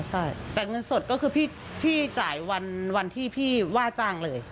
ใช่แต่เงินสดก็คือพี่จ่ายวันที่พี่ว่าจ้างเลย